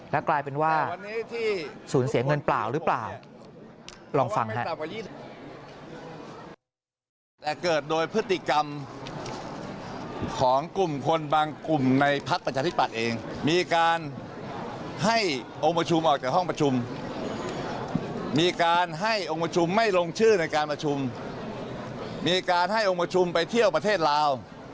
แล้วกลายเป็นว่าสูญเสียเงินเปล่าหรือเปล่า